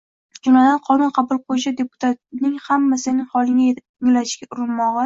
jumladan qonun qabul qiluvchi deputating – hamma sening holingni yengillatishga urinmog‘i